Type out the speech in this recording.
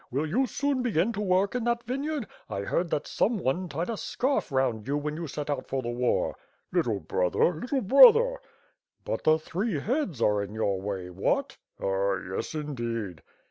Will you soon begin to work in that vineyard. I heard that some one tied a scarf round you when you set out for the war." "Little brother, little brother!" ... "But the three heads are in your way. What?" "Ah. yes, indeed."